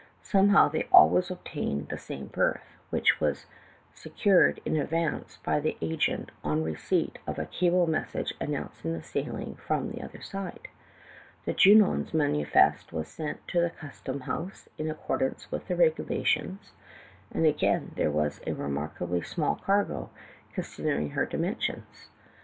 Somehow they always obtained the same berth, which was vsecured in advance by the agent on receipt of a cable message announcing the sailing from the other side. "Thejunon's manifest was sent to the custom house, in accordance with the regulations, and again there was a remarkably small cargo, consid ering her dimensions.